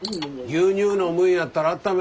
牛乳飲むんやったらあっためなあかん。